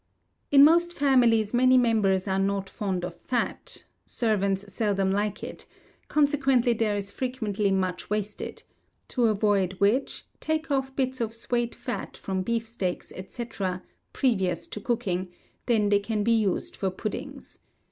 In most families many members are not fond of fat servants seldom like it: consequently there is frequently much wasted; to avoid which, take off bits of suet fat from beefsteaks, &c., previous to cooking; they can be used for puddings.